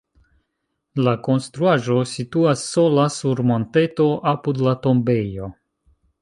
La konstruaĵo situas sola sur monteto apud la tombejo.